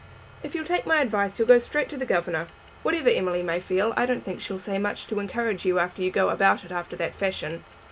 If you'll take my advice you'll go straight to the governor. Whatever Emily may feel I don't think she'll say much to encourage you unless you go about it after that fashion.